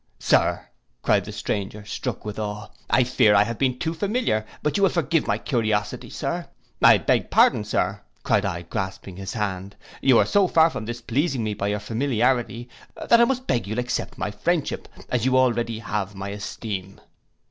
'Sir,' cried the stranger, struck with awe, 'I fear I have been too familiar; but you'll forgive my curiosity, Sir: I beg pardon.' 'Sir,' cried I, grasping his hand, 'you are so far from displeasing me by your familiarity, that I must beg you'll accept my friendship, as you already have my esteem.